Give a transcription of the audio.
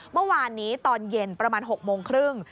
ทีนี้ตอนเย็นประมาณ๖โมงครึ่ง